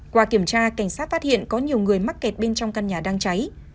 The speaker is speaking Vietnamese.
qua kiểm tra cảnh sát phát hiện có nhiều người mắc kẹt bên trong căn nhà đang cháy